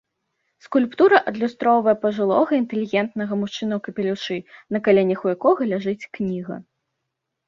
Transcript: Скульптура адлюстроўвае пажылога інтэлігентнага мужчыну ў капелюшы, на каленях у якога ляжыць кніга.